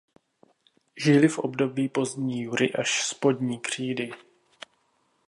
Žili v období pozdní jury až spodní křídy.